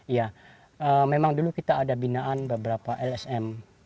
ya memang dulu kita ada binaan beberapa lsm